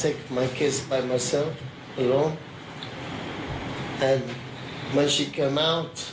แล้วเมื่อเธอออกไปแล้วเธออยากอยู่กับฉัน